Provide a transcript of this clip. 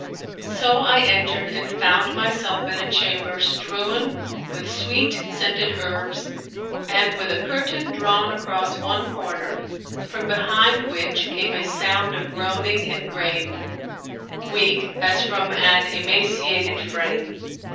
So I entered and found myself in a chamber strewn with sweet scented herbs and with a curtain drawn across one corner, from behind which came a sound of groaning and grame, weak as from an emaciated frame.